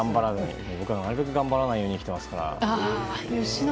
僕もなるべく頑張らないように生きていますから。